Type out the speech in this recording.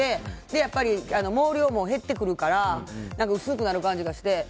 やっぱり毛量も減ってくるから薄くなる感じがして。